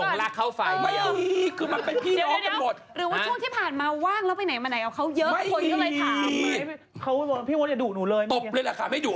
แบบเขาไม่ได้เป็นผัวนะฮะสรุปง่าย